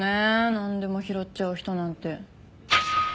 なんでも拾っちゃう人なんて。